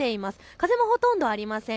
風もほとんどありません。